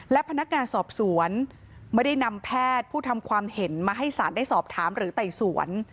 และพนักงานสอบสวนไม่ได้นำแพทย์ผู้ทำความเห็นมาให้ศาลได้สอบถามหรือไต่สวน